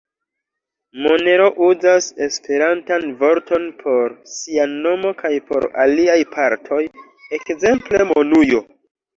Monero uzas esperantan vorton por sia nomo kaj por aliaj partoj, ekzemple monujo.